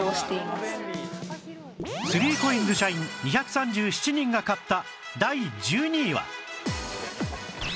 ３ＣＯＩＮＳ 社員２３７人が買った